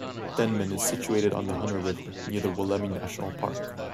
Denman is situated on the Hunter River near the Wollemi National Park.